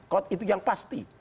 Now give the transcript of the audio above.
qot'i itu yang pasti